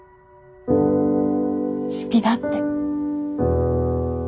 好きだって。